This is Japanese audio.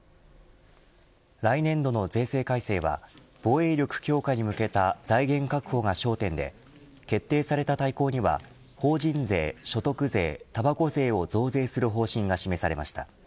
来年度の税制改正は防衛力強化に向けた財源確保が焦点で決定された大綱には、法人税所得税、たばこ税を増税する方針が示されました。